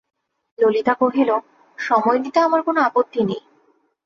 ললিতা কহিল, সময় নিতে আমার কোনো আপত্তি নেই।